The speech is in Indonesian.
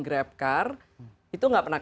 grab car itu tidak pernah